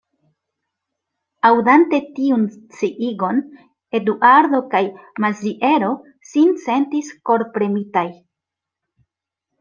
Aŭdante tiun sciigon, Eduardo kaj Maziero sin sentis korpremitaj.